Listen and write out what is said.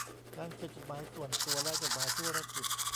การเขียนจดหมายส่วนตัวและจดหมายธุรกิจ